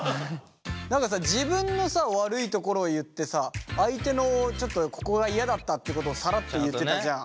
何かさ自分の悪いところを言ってさ相手のちょっとここが嫌だったってことをサラッと言ってたじゃん。